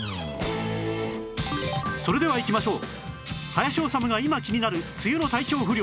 それではいきましょう